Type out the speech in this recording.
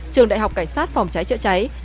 trường đại học cảnh sát phòng cháy chữa cháy